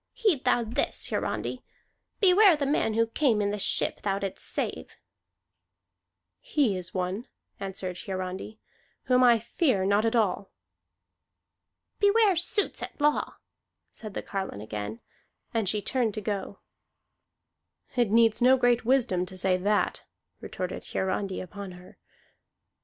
"Heed thou this, Hiarandi. Beware the man who came in the ship thou didst save!" "He is one," answered Hiarandi, "whom I fear not at all." "Beware suits at law," said the carline again, and she turned to go. "It needs no great wisdom to say that," retorted Hiarandi upon her.